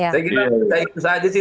saya kira itu saja sih